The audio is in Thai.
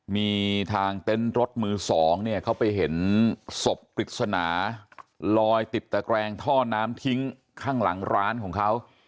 มีทางเต็นต์รถมือสองเนี่ยเขาไปเห็นศพปริศนาลอยติดตะแกรงท่อน้ำทิ้งข้างหลังร้านของเขา